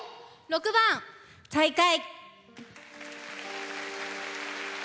６番「再会」。